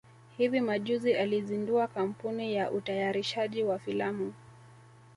hivi majuzi alizindua kampuni ya utayarishaji wa filamu